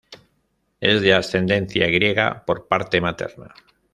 Es de ascendencia griega por parte materna.